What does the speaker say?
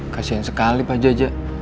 kasian sekali pak jaja